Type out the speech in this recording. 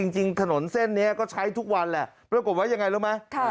จริงถนนเส้นนี้ก็ใช้ทุกวันแหละปรากฏว่ายังไงรู้ไหม